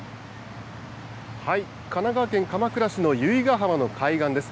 神奈川県鎌倉市の由比ヶ浜の海岸です。